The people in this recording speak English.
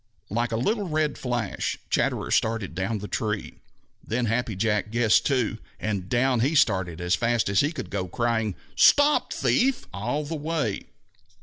Like a little red flash, Chatterer started down the tree. Then Happy Jack guessed too, and down he started as fast as he could go, crying, "Stop, thief!" all the way.